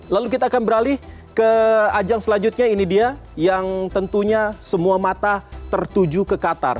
lalu kita akan beralih ke ajang selanjutnya ini dia yang tentunya semua mata tertuju ke qatar